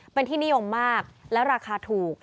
เป็นที่นิยมมากและราคาถูก